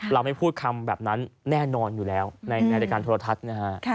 ไม่พูดคำแบบนั้นแน่นอนอยู่แล้วในรายการโทรทัศน์นะฮะ